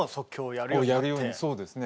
やるようにそうですね。